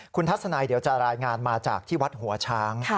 คุณทัศนัยเดี๋ยวจะรายงานมาจากที่วัดหัวช้าง